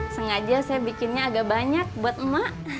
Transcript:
sengaja saya bikinnya agak banyak buat emak